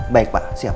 baik pak siap